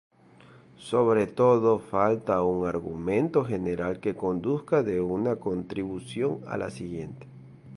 Sobre todo falta un argumento general que conduzca de una contribución a la siguiente.